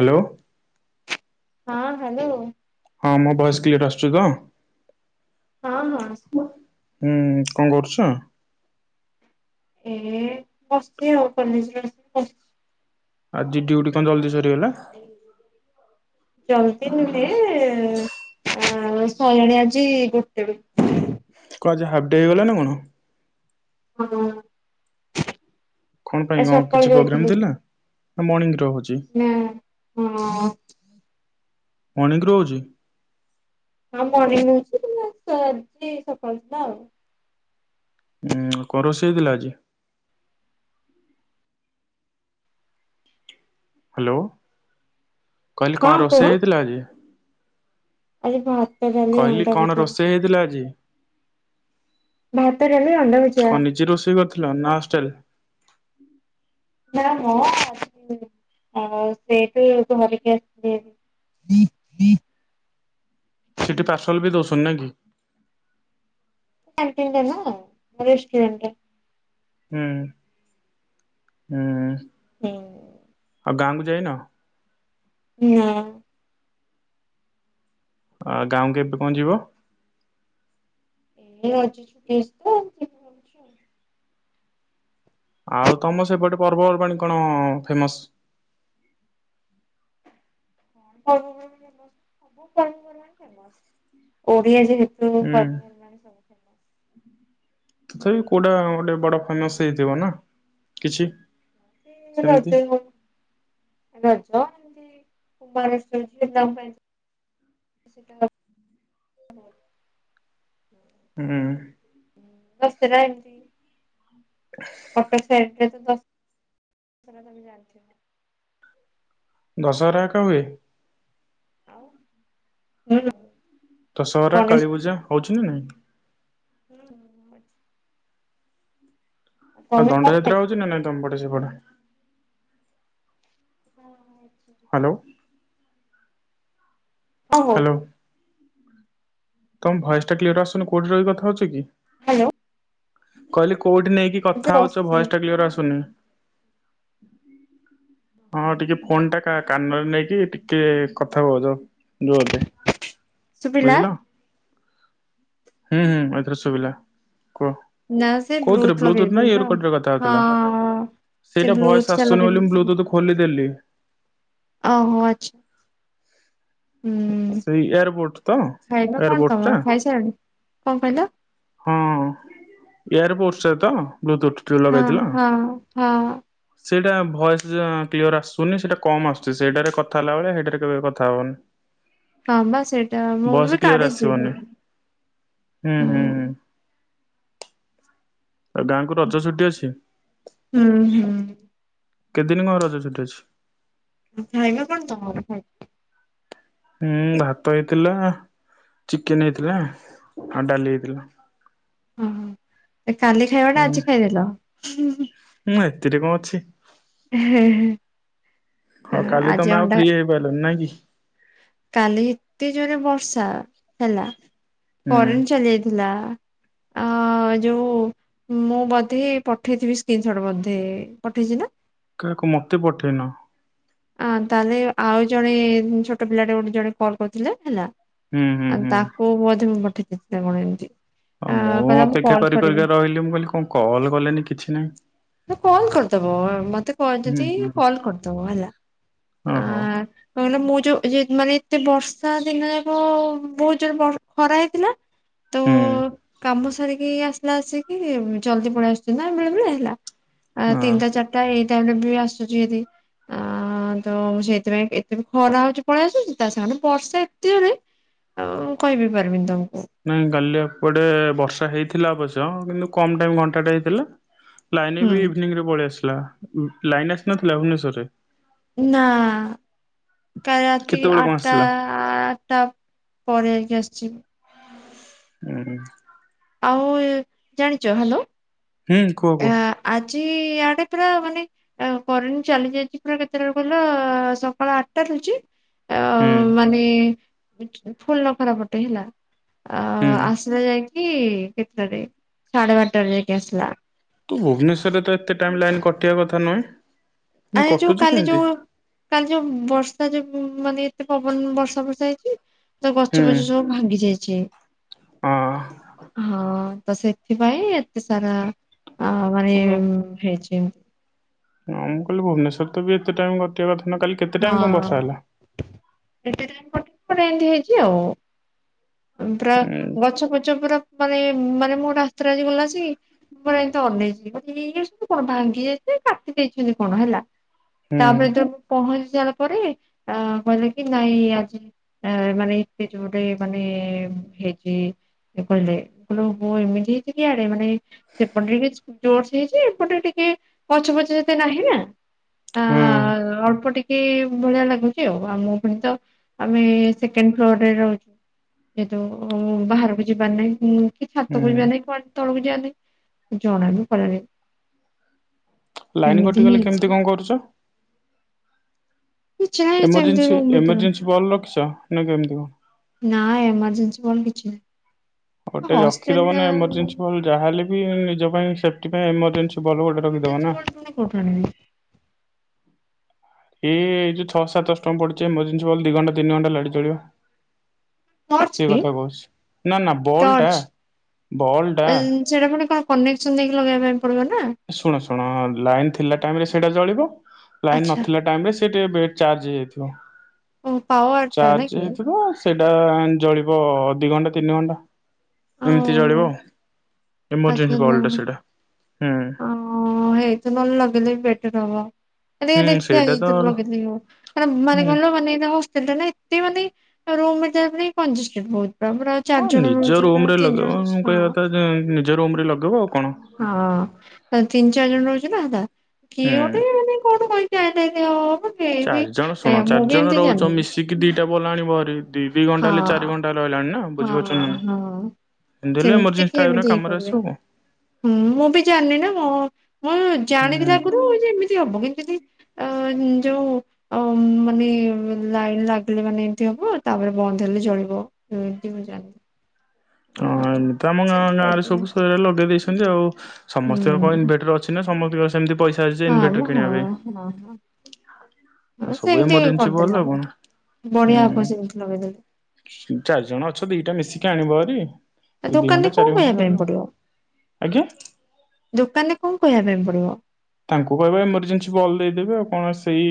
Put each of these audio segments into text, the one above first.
Hello. ହଁ hello. ହଁ ମୋ ବଭସ୍ କ୍ଲିୟର୍ ଆସୁଛି ତ। ହଁ ହଁ। ହୁଁ କଣ କରୁଚ? ଏ ବସିଛି ଆଉ ପ୍ଲିଶୀମେଣ୍ଟେ କରେ। ଆଜି ଡିୟୁଟି କଣ ଜଲ୍ଦି ସରିଗଲା? ଜଲଦି ନୁହେଁ ଆଁ ଆଉ ସରିଲାଣି ଆଜି ଗୋଟେ ବେଳୁ। କଣ ଆଜି ହାଫ୍ ଡେ ହେଇଗଲା ନା କଣ? ହଁ। କଣ ପାଇଁ ଆଜି କଣ ସକାଳୁ କିଛି ଯାଇଥିଲି ପ୍ରୋଗ୍ରାମ ଥିଲା ନା ମର୍ଣ୍ଣିଂ ରେ ରହୁଛି? ନା ହଁ। ମଣ୍ଣିଙ୍ଗ ରହୁଚି? ହଁ ମର୍ଣିଂ ହୋଉଚି କିନ୍ତୁ ଆଜି ସକାଳେ ଥିଲା ଆଉ। ଉଁ କଣ ରୋଷେଇ ହେଇଥିଲା ଆଜି? ହାଲୋ କହିଲି ହଁ କଣ କୁହ ରୋଷେଇ ହେଇଥିଲା ଆଜି? ଆଜି ଭାତ, ଡାଲି। କହିଲି ଅଣ୍ଡା କଣ ଭଜା ରୋଷେଇ ହେଇଥିଲା ଆଜି? ଭାତ ଡାଲି ଅଣ୍ଡା ଭଜା କଣ ନିଯେ ରୋଷେଇ କରିଥିଲ ନା ହଷ୍ଟେଲ? ନା ହଁ ସେଇଠୁ ଧରିକି ଆସିଚିହରି। ନି ନି ସେଠି ପାର୍ସଲ ବି ଦୋଉଚନ୍ତି ନା କି? କ୍ୟାଣ୍ଟିଟା ନା ରେଷ୍ଟୁରାଣ୍ରେ ଟା। ହୁଁ ହୁଁ। ହୁଁ। ଆଉ ଗାଁକୁ ଯାଇନ? ନାଁ। ଆ ଗାଁକୁ କେବେ କଣ ଯିବ? ଏଇ ଅଳ୍ପ ଅଛି ଛୁଟି ହେଇଯିବ ଆଉ। ଆଛି ଆଉ ତମ ସେପଟେ ପର୍ବପର୍ବାଣିୀ କଣ ଫେମସ୍? ଫ ଓଡିଆ ଯେ ହୁଁ। ସବୁ। ତଥାପି କୋଉଟା ଗୋଟେ ବଡ ହୁଁ ଫେମସ୍ ହେଇଥିବ ନା କିଛି? ସେ ସେମିତି ରାଜ ପର୍ବ। ଏ ରଜ ମାନେ କୁମରର୍ପୁଣିମା ପିଲାଙ୍କ ପାଇଁ। ସେଟ ହୁଁ ହଁ ଶେରା ଏମିତି। ହ ଅଟୋସାଇଟିରେ ଥିବ। ଦଶହରା ଏକା ହୁଏ? ହୁଁ। ଦଶହରା, ଗଣେଶ ପୂଜା କାଳୀପୂଜା ବି। ହୋଉଚି ନା ନାଇଁ? ହୁଁ। ଆଉ ତମେ କଣ ଦଣ୍ଡଯାତ୍ରା ଖାଇଛ? ହଉଛି ନା ନାଇଁ ତମ ପଟେ ସେପଟେ? ହଁ, ହଉଛି। ହ୍ୟାଲୋ। ହଁ ହଉଚି। ହ୍ୟାଲୋ ତମ ଭଏସଟା କ୍ଲିୟର ଆସୁନି କୋଉଠି ରହି କଥା ହଉଚ କି? ହ୍ୟାଲୋ। କହିଲି କୋଉଠି ନେଇକି ମୁଁ କଥା ତ ହଉଛ ବସିଛି ଭଏସ ଟା କ୍ଲିୟର ଆସୁନି। [inaudible] ହଁ ଟିକେ ଫୋନ୍ ଟା କାନରେ ନେଇକି ଟିକେ କଥା ହୁଅ ଜୋର୍ ଜୋରରେ। ଶୁଭିଲା? ବୁଝିଲ? ହୁଁ ହୁଁ ଏଥିର ଶୁଭିଲା କୁହ? ନା [inaudible] ସେ କୋଉଥିରେ ବ୍ଲୁଟଥ ବ୍ଲୁଟୁଥ ନା ଲଗେଇଦେଇଥିଲି ଇୟର ତ, କଡରେ କଥା ହଁ ହଉଥିଲ? ସେଇଟା ସେ ଭଏସ ବ୍ଲୁଟୁଥ ଟା ଆସୁନି ବୋଲି ମୁଁ ଲଗେଇଦେଇଥିଲି। ବ୍ଲୁଟୁଥ ଖୋଲିଦେଲି। ଓହୋ ଆଛା। ହୁଁ, ସେଇ ଏୟାରପୋର୍ଟ ତ ଖାଇବା କଣ ଏୟାରପୋର୍ଟ ଟା ତମର? ଖାଇସାରିଲଣି? କଣ କହିଲ? ହଁ ଏୟାରବୋଡ଼ସରେ ତ ବ୍ଲୁଟୁଥ ହଁ ଲଗେଇଥିଲ? ହଁ ହଁ ସେଇଟା ଭଏସ କ୍ଲିୟର ଆସୁନି ସେଇଟା କମ ଆସୁଛି ସେଇଟାରେ କଥା ହେଲା ବେଳେ ହେଇଟାରେ କେବେ କଥା ହବନି। ହଁ ବା ସେଇଟା ମୁଁ ବି ଭଏସ କ୍ଲିୟର କାଢିଚି ଆସିବନି? ହୁଁ। ହୁଁ ହୁଁ ହୁଁ। ଗାଁକୁ ରଜ ଛୁଟି ଅଛି? ହୁଁ ହୁଁ। କେତେଦିନ କଣ ରଜ ଛୁଟି ଅଛି? ଖାଇବା କଣ ତମର ଆଜି? ହୁଁ, ଭାତ ହେଇଥିଲା, ଚିକେନ ହେଇଥିଲା, ଆଉ ଡାଲି ହେଇଥିଲା। ହୁଁ ହୁଁ, ଏ କାଲି ଖାଇବା ଟା ହୁଁ ଆଜି ଖାଇଦେଲ। ହୁଁ, ହେଥିରେ କଣ ଅଛି। ଉଁ ହେ ହେ। ହଁ, କାଲି ତମେ ଆଉ ଫ୍ରି ହେଇପାରିଲନି ନାଇଁ କି? କାଲି ଏତେ ଜୋରରେ ବର୍ଷା ହେଲା, ହୁଁ କରେଣ୍ଟ ଚାଲି ଯାଇଥିଲା। ଆ ଯୋଉ ମୁଁ ବୋଧେ ପଠେଇଥିବି ସ୍କ୍ରିିନସଟ ବୋଧେ ପଠେଇଛି ନା? କାହାକୁ ମତେ ପଠେଇନ। ଅ ତାହେଲେ ଆଉ ଜଣେ ଛୋଟ ପିଲାଟେ ଗୋଟେ ଜଣେ କଲ୍ କରୁଥିଲେ ହେଲା। ହୁଁ ହୁଁ। ଆଉ ହୁଁ। ତାକୁ ବୋଧେ ମୁଁ ପଠେଇଦେଇଥିଲି ନା କଣ ଏମିତି। ଅହ ଆ ମୁଁ କହିଲା ଅପେକ୍ଷା କଲ୍ କରି କରିବି। କରିକା ରହିଲି ମୁଁ କହିଲି କଣ କଲ କଲେନି କିଛି ନାହିଁ। କଲ କରିଦବ ମତେ କ ହୁଁ ଯଦି ହୁଁ କଲ କରିଦବ ହେଲା ଓହୋ ଆଁ କାହିଁକି ନା ମୁଁ ଯୋଉ ମାନେ ଏତେ ବର୍ଷା ଦିନ ଯାକ ବହୁତ ଜୋରରେ ବ ଖରା ହେଇଥିଲା। ତ ହୁଁ କାମ ସାରିକି ଆସିଲା ଏସିକି ଜଲଦି ପଳେଇ ଆସନ୍ତି ନା ବେଳେ ବେଳେ ହେଲା। ଆ ହଁ। ତିନିଟା ଚାରିଟା ଏଇ ଟାଇମରେ ବି ଆସୁଛି ଭାରି। ଆ ତ ସେଇଥିପାଇଁ ଏତେ ଖରା ହଉଛି ପଳେଇ ଆସୁଛି ତା ସାଙ୍ଗ ବର୍ଷା ଏତେଯୋରେ। ଆଉ କହିବି ପାରିବିନି ତମକୁ। ନାଇଁ କାଲି ଏପଟେ ବର୍ଷା ହେଇଥିଲା ଅବଶ୍ୟ କିନ୍ତୁ କମ ଟାଇମ ଘଣ୍ଟାଟେ ହେଇଥିଲା। ଲାଇନ ହୁଁ ବି ଇଭିନିଂ ରେ ପଳେଇ ଆସିଲା, ଲାଇନ ଆସିନଥିଲା ଭୁବନେଶ୍ୱରରେ। ନା କାଲି ରାତି କେତେବେଳେ କଣ ଆଠଟା ଆସିଲା ଆଟଟା ପରେ ଯାଇକି ଆସିଛି। ହୁଁ ଆଉ ଜାଣିଛ ହ୍ୟାଲୋ ହୁଁ କୁହ କୁହ ଆଜି ଇଆଡେ ପୁରା ମାନେ କରେଣ୍ଟ ଚାଲି ଯାଇଛି ପୁରା କେତେଟାରୁ ଗଲା ସକାଳ ଆଠଟା ରଛି ଆ [unintelligible] ହୁଁ ଫୁଲ୍ ନଖରା ପଟେ ହେଲା ଆ ହୁଁ। ଆସିଲା ଯାଇକି କେତେଟାରେ ସାଢେ ବାରଟାରେ ଯାଇକି ଆସିଲା। ତ ଭୁବନେଶ୍ୱରରେ ତ ଏତେ ଟାଇମ ଲାଇନ୍ କଟିବା କଥା ନୁହେଁ। ଆ କିନ୍ତୁ ଯୋଉ କଟୁଛି କାଲି କେମିତି? ଯୋଉ କାଲି ଯୋଉ ବର୍ଷା ଯୋଉ ମାନେ ଏତେ ପବନ ବର୍ଷା ବର୍ଷା ହେଇଛି ତା ହୁଁ ଗଛ ଫଛ ସବୁ ଭାଙ୍ଗି ଯାଇଛି ହଁ। ହଁ ତ ସେ ସେଥିପାଇଁ ଏତେ ସାରା ଅ ମାନେ ଓ ହେଇଛି। ହଁ ମୁଁ କହିଲି ଭୁବନେଶ୍ୱର ବି ଏତେ ଟାଇମ କଟିବା କଥା ନା କାଲି। କେତେ ଟାଇମ କଣ ବର୍ଷା ହେଲା? ହଁଟେ [unintelligible] ଏମତି ହେଇଛି ଆଉ। ପୁରା ଉଁ ଗଛ ପଛ ପୁରା ମାନେ ମାନେ ମୁଁ ଗୋଟେ ରାସ୍ତାରେ ଆଜି ଗଲା ଆସିକି ଆର ଏମିତି ଅନେଇିବ ମ ଇ କଣ ଭାଙ୍ଗି ଯାଇଛି କାଟି ଦେଇେଇଛନ୍ତି କଣ ହେଲା [unintelligible] ହୁଁ ତାପରେ ତ ପହଞ୍ଚି [unintelligible] ପରେ ଅ କହିଲେ କି ନାଇଁ ଆଜି ମାନେ ଏତ ଯୋଉ ଗୋଟେ ମାନେ [unintelligible] ାନ ହେଇଛି କହିଲେ ହ ଏମିତି ହେଇଛି କିଆଡେ ମାନେ [unintelligible] ସେପଟେ ଟିକେ ଜୋର ସେ ହେଇଛି ଏପଟେ ଟିକେ ଗଛ ପଛ ସେତେ ନାହିଁ ନା ଆ ହୁଁ ଅଳ୍ପ ଟିକେ ଭଳିଆ ଲାଗୁଚି ଆଉ ଆଉ ମୋ ଭ ତ ଆମେ ସେକେଣ୍ଡ ଫ୍ଲୋର ରେ ରହୁଛୁ ଯେହେତୁ ବାହାରକୁ ଯିବାର ନାଇଁ କି ଛାତକୁ ହୁଁ ଯିବାର ନାଇଁ କଣ ତଳକୁ ଯିବାର ନାହିଁ ଜଣା ବି ପଡ଼ିଲା ନାହିଁ ଲାଇନ ଏମିତି ହିଁ କଟିଗଲେ କେମିତି ହେଇଛି କଣ କରୁଛ? କିଛି ନାହିଁ ସେମିତି ଏମର୍ଜେନ୍ସି ରୁମ୍ ଭିତରେ ଏମର୍ଜେନ୍ସି ବଲ୍ ରଖିଛ ନା କେମିତି ନା ଏମର୍ଜେନ୍ସି ବଲ୍‌ କିଛି ନାହିଁ ଗୋଟେ ରଖିଦବ ହଷ୍ଟେଲ ନା ଏମର୍ଜେନ୍ସି ବଲ ଯାହା ହେଲେ ବି ନିଜ ପାଇଁ ସେଫ୍ଟି ପାଇଁ ଏମରଜେନ୍ସି ଭଲ ଗୋଟେ ରଖିଦବ ନା କଠଣ [inaudible] ଏଇ ଯୋଉ ଛଅ ସାତଶ ଟଙ୍କା ପଡିୁଛି ଏମର୍ଜେସିବଲ୍ ଦି ଘଣ୍ଟା ତିନି ଘଣ୍ଟା ଲାଇଟି ଜଳିବ ଟର୍ଚ୍ଚ ସେ କି କଥା କହୁଛି ନା ନା ବଲ୍ ଟା ଟର୍ଚ୍ଚ ବଲ୍‌ ଟା ସେଇଟା ପୁଣି କଣ କନେସନ୍‌ ଦେଇକି ଲଗେଇବା ପାଇଁ ପଡିବ ନା ଶୁଣ ଶୁଣ ଲାଇନ ଥିଲା ଟାଇମ୍ ରେ ସେଇଟା ଜଳିବ ଲାଇନ ଆଚ୍ଛା ନଥିଲା ଟାଇମ୍ ରେ ସେ ଟିକ ଚଜ [unintelligible] ହେଇଯାଇଥିବ ଓ ପାୱାର ଟା ନା ଚଜ କି ହେଇଥିବ ସେଇଟା ଜଳିବ ଦି ଘଣ୍ଟା ତିନି ଘଣ୍ଟା ଏମିତି ଜଳିବ ଆଚଛ ନା ଅ ହୁଁ [unintelligible] ହେ ତ ନ ଲଗେଇଲେ ବି ବେଟର ହବା ଟିକେ ହୁଁ ଦେଖିବା ସେଇଟା ତ ଲଗେଇଥିଲୁ କ ମାନେ ହୁଁ କହିଲ ମାନେ ଏଇଟ [unintelligible] ସେଟା ନା ଏତେ ମାନେ ରହୁ [unintelligible] ଆମର ହଁ ଚାରି ଜଣ ନିଜ ରହୁଛନ୍ତି ରୁମ ନା ରେ ତିନି ଲଗେଇବ ଜଣ ମୁଁ କହିବା ହଁ ନିଜ ରୁମ୍‌ ରେ ଲଗେଇବ ଆଉ କଣ ହଁ ତିନି ଚାରି ଜଣ ରହୁଛନ୍ତି ନା ହେ ହୁଁ କିଏ ଗୋଟେ କୋଉଠୁ କହି କ ମୁଁ ବି ଏମିତି ଜାଣିନି [unintelligible] ଟିକି ଦିଟା ବଲ ଆଣିଭ [unintelligible] ଦି ଦି ଘଣ୍ଟା ହଁ ହେଲେ ଚାରି ଘଣ୍ଟା ହେ ରହିଲାଣି ନା ବୁଝିପାରୁଛ ହଁ ନା ନା ହଁ ଏମିତି ହେଲେ ସେମିତି ଯେ ଏମରଜେନ୍ସି କିଏ ଟାଇମ୍ ରେ ଏମିତି ଇଏ କାମରେ କରିବେ। ଆସିବ ଆଉ। ହୁଁ ମୁଁ ବି ଜାଣିନି ନା ମୁଁ ମୁଁ ହୁଁ ଜାଣିଥିଲି ଆଗରୁ ଯେ ଏମିତି ହବ ଏମିତି ଅ ଯୋଉ ଅ ମାନେ ଲାଇନ୍ ଲାଗିଲେ ମାନେ ଏମିତି ହବ। ତାପରେ ବନ୍ଦ ହେଲେ ଜଳିବ ଏ ଏମତି ମୁଁ ଜାଣିନି। ହଁ ଏମିତି ଆମ ଗାଁ ସେମିତି ଗାଁରେ କରିଦେଲେ ସବୁ ସେରା ଲଗେଇ ଦେଇଛନ୍ତି ଆଉ ସମସ୍ତଙ୍କର କଣ ହୁଁ। ଇନଭେଟର ଅଛି? ନା ସମସ୍ତଙ୍କ ସେମିତି ପଇସା ଆସିଛି ହଁ ମ ଇନଭେଟର ହଁ କିଣିବା ପାଇଁ। ହଁ ହଁ ଆଉ ସବୁ ସେମିତି ଏମର୍ଜେସି କରିଦେଲେ ବଲ ହବ। ଆଉ କଣ ବଢିଆ ହବ ହୁଁ? ସେମିତି ଲଗେଇଦେଲେ ଚାରି ଜଣ ଅଛ ଦିଟା ମିଶିକି ଆଣିବ ହେରୀ। ଆ ଦୋକାନରେ କଣ କହିବା ପାଇଁ ପଡିବ? ଆଜ୍ଞା ଦୋକାନରେ କଣ କହିବା ପାଇଁ ପଡିବ? ତାଙ୍କୁ କହିବ ଏମର୍ଜେନ୍ସି ବଲ୍ ଦେଇଦେବେ ଆଉ କଣ? ସେଇ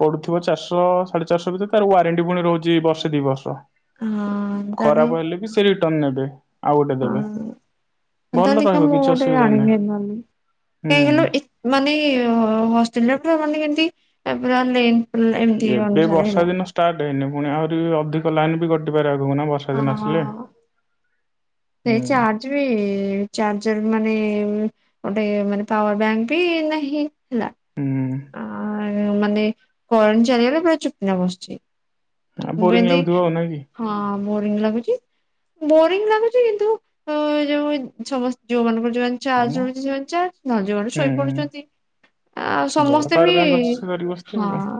ପଡୁଥିବ ଚାରିଶ ସାଢ଼େ ଚାରିଶ ଭିତରେ ତାର ୱାରେଣ୍ଟି ପୁଣି ରହୁଛି ବର୍ଷେ ଦି ବର୍ଷ। ହଁ ତାଲେ ଖରାପ ହେଲେ ବି ସେ ରିଟର୍ଣ ନେବେ ଆଉ ଗୋଟେ ହଁ ଦେବେ ଭଲ ତା ହେଲେ ଦେଖିବା ରହିବ ମୁଁ କିଛି ଗୋଟେ ଅସୁବିଧା ନାହିଁ। ଆଣିବି ହେରୀ ନ ହେଲେ କାହିଁ ହୁଁ କହିଲୁ ଏ ମାନେ ହଷ୍ଟେଲରେ ପୁରା ମାନେ କେମିତି ପୁରା ଲେନ୍ ଏମିତି ଏବେ ଅନୁସାରେ ବର୍ଷା ହେଲା। ଦିନ ଷ୍ଟାର୍ଟ ହେଇନି ପୁଣି ଆହୁରି ଅଧିକ ଲାଇନ୍ ବି କଟିପାରେ ଆଗକୁ ବ ହଁ ହଁ ହଁ। ହୁଁ ସେଇ ଚାର୍ଜ ବି ଚାର୍ଜର ମାନେ ଗୋଟେ ମାନେ ପାୱାର ବ୍ୟାଙ୍କ ବି ନାହିଁ ହେଲା। ହୁଁ। ଆ ମାନେ କରେଣ୍ଟ ଚାଲିଗଲେ ପୁରା ଚୁପ୍ କିନା ବସିଛି। ଆଉ [unintelligible] ବୋରିଂ ଲାଗୁଥିବ ଆଉ ନାଇଁ କି? ହଁ ବୋରିଂ ଲାଗୁଛି। ବୋରିଙ୍ଗ ଲାଗୁଛି କିନ୍ତୁ, ଅ ଯୋଉ ସମସ୍ତ ଯୋଉ ମାନଙ୍କର ଯୋଉମାନେ ହଁ ମ ଚାର୍ଜ ରହୁଛି ସେମାନେ ଚାର୍ଜ ନ ହେଲେ ଯୋଉ ମାନେ ହୁଁ ଶୋଇପଡୁଛନ୍ତି। ଆ ଯାହାର ସମସ୍ତେ ପାୱାର ବି ବ୍ୟାଙ୍କ ଅଛି ସେ ଧରିକି ବସିଥିବ ଆଉ କଣ। ହଁ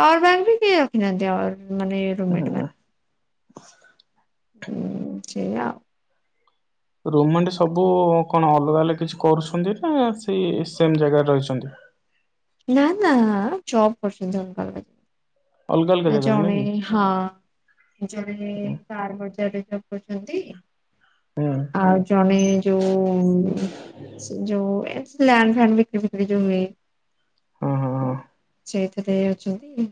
ପାୱାର ବ୍ୟାଙ୍କ ବି କେଏ ରଖିନାହାନ୍ତି ଆ ମାନ ରୁମ୍ ମେଣ୍ଟ ହୁଁ ମାନେ। [unintelligible] ହୁଁ ସେଆ ଆଉ। ରୁମ ମେଣ୍ଟ ସବୁ କଣ ଅଲଗା ଅଲଗା କିଛି କରୁଛନ୍ତି? ନା ସେ ସେମ ଜାଗାରେ ରହିଛନ୍ତି? ନା ନା, ଜବ୍ କରୁଛନ୍ତି ଅଲଗା ଅଲଗା ଜା ଅଲଗା ଅଲଗା ଆ ଜାଗାରେ ଜଣେ ନାଇଁ କି? ହଁ ଜଣେ ହୁଁ କାର ବଜାରେ ଜବ କରୁଛନ୍ତି। ହୁଁ ଆ ଜଣେ ଯୋଉ ଯୋଉ ଏ ଲେଣ୍ଡ ଫନ୍ ବିକ୍ରି ଫିକ୍ରି ଯୋଉ ହୁଏ। ହଁ ହଁ। ହଁ। ସେଇଥିରେ ଅଛନ୍ତି।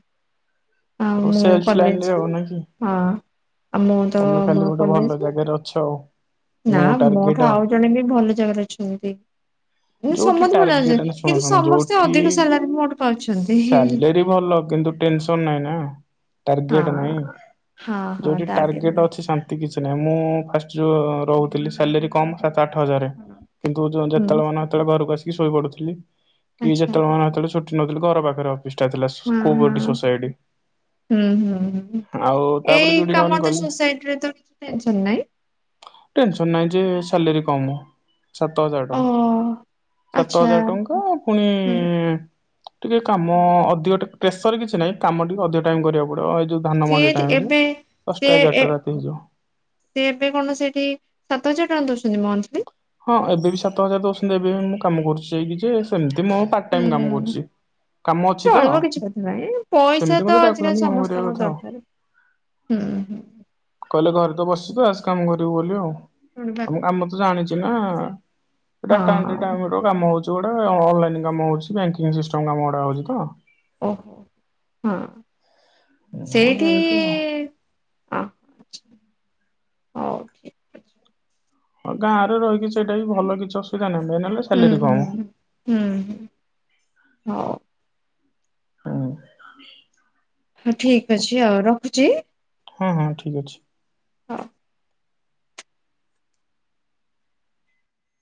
ଆଉ ସବୁ ମୁଁ ସେଲ୍ସ ଲାଇନରେ କଲେଜ ଆଉ ନାଇଁ କି? ହଁ ଆଉ ମୁଁ ତ ମୋ କଲେଜ। ଏଥରେ ଅଛ ଆଉ। ନା, ନୋ ମୋ ଟାର୍ଗେଟ ଠୁ ଆଉ ଜଣେ ବି ଭଲ ଜାଗାରେ ଅଛନ୍ତି। ଯୋଉଠି ସମସ୍ତେ ଭଲ ଟାର୍ଗେଟ ଲାଗଛନ୍ତି ଶୁଣ କିନ୍ତୁ, ଶୁଣ ସମସ୍ତେ ଯୋଉଠି ଅଧିକ ସାଲାରୀ ମୋଠୁ ପାଉଛନ୍ତି। ହିଁ ହିଁ ସାଲେରୀ ଭଲ କିନ୍ତୁ ଟେନସନ ନାହିଁ ନା, ଟାର୍ଗେଟ ନାହିଁ ହଁ ହଁ ଯୋଉଠି ଟାର୍ଗେଟ ନାହିଁ। ଅଛି ଶା ତି କିଛି ନାହିଁ। ମୁଁ ଫାଷ୍ଟ ଯେଉଁ ରହୁଥିଲି ସାଲେରୀ କମ୍ ସାତ ଆଠ ହଜାରରେ କିନ୍ତୁ ଯେତେବେଳେ ହୁଁ ମନ ହେତେବେଳେ ଘରକୁ ଆସିକି ଶୋଇ ପଡୁଥିଲି। କି ଆଚ୍ଛା ଯେତେବେଳେ ମନ ହେତେଳେ ଛୁଟି ନଉଥିଲି ଘର ପାଖରେ ଅଫିସିଟା ଥିଲା ହଁ କୋ ପରିଟି ହଁ ସୋସାଇଟି। ହୁଁ- ହୁଁ- ହୁଁ, ଆଉ ତାପରେ ଏଇ ଯୋଉଠି ଜଏନ୍ କାମ ତ କଲି ସୋସାଇଟି ରେ ତ କିଛି ଟେନସନ ନାହିଁ। ଟେନସନ ନାହିଁ ଯେ ସାଲେରୀ କମ ସାତ ହଜାର ଓ ଟଙ୍କା। ସାତ ଆଚ୍ଛା ହଜାର ଟଙ୍କା ଫୁଣି ହୁଁ ଟିକେ କାମ ଅଧିକ ଟ ପ୍ରେସର କିଛି ନାହିଁ କାମ ଟିକେ ଅଧିକ ଟାଇମ କରିବାକୁ ପଡିବ। ଏଇ ଯଉ ସିଏ ଧାନମଣ୍ଡି ଏଠି ଟାଇମ ରେ ଏବେ ସେ ଦଶଟା ଏ ଏଗାରଟା ରାତି ହେଇଯିବ। ସେ ଏବେ କଣ ସେଠି ସାତ ହଜାର ଟଙ୍କା ଦଉଛନ୍ତି ମନ୍ଥଲି? ହଁ, ଏବେ ବି ସାତ ହଜାର ଦଉଛନ୍ତି। ଏବେ ବି ମୁଁ କାମ କରୁଛି ଯାଇକି ଯେ ସେମିତି ମୁଁ ପାର୍ଟ ଟାଇମ କାମ ହୁଁ। କରୁଛି। କାମ ଅଛି ତ ଚଳିବ କିଛି କଥା ନହିଁ ପଇସା ସେମିତି ତ ମତେ ଡାକୁଛନ୍ତି ଆଜିକାଲି କାମ କରିବା ସମସ୍ତଙ୍କ କଥା ଆଉ। ଦରକାର। ହୁଁ ହୁଁ। କହିଲେ ଘରେ ତ ବସି ତୁ ଆସ କାମ କରିବୁ ବୋଲି। ଆଉ ହୁଁ। ଆମ ଆମ ତ ଜାଣିଛି ନା। ଡାଟା ଏଣ୍ଟ୍ରି ହଁ କାମ ହଉଛି। ଗୁଟେ ଅନଲାଇନ କାମ ହଉଛି ବ୍ୟାଙ୍କିଙ୍ଗ ସିଷ୍ଟମ କାମ ଗୁଡା ହଉଛି ତ। ଓହୋ ହଁ ହୁଁ ସେଇକ ଏମିତି ଆଉ। [unintelligible] ହଉ ଠିକ ଅଛି। ହଁ, ଗାଁରେ ରହିକି ସେଇଟା ବିି ଭଲ କିଛି ଅସୁବିଧା ନାହିଁ। ମେନ ହେଲେ ହୁଁ ସାଲାରୀ କମ୍। ହୁଁ। ହୁଁ ହଁ। ହଁ। ହଁ ଠିକ ଅଛି ଆଉ ରଖୁଛି। ହଁ ହଁ ଠିକ ଅଛି। ହଁ।